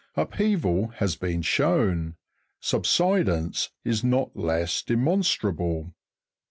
Upheaval has been shown ; subsidence is not less demonstrable.